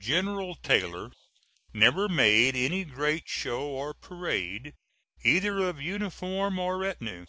General Taylor never made any great show or parade, either of uniform or retinue.